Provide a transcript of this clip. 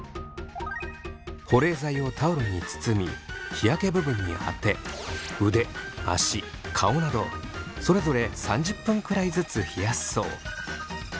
保冷剤をタオルに包み日焼け部分にあて腕足顔などそれぞれ３０分くらいずつ冷やすそう。